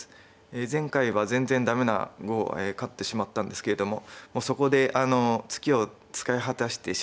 前回は全然ダメな碁を勝ってしまったんですけれどもそこでツキを使い果たしてしまったような気がします。